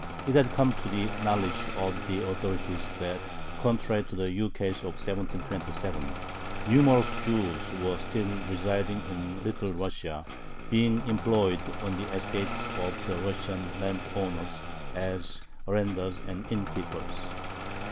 It had come to the knowledge of the authorities that, contrary to the ukase of 1727, numerous Jews were still residing in Little Russia, being employed on the estates of the Russian landowners as arendars and innkeepers.